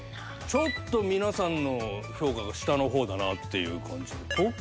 ちょっと皆さんの評価が下の方だなっていう感じ。